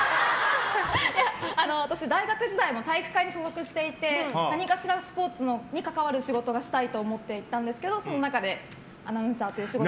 私、大学時代も体育会に所属していて何かしらスポーツに関わる仕事がしたいと思っていたんですけどその中でアナウンサーという仕事を。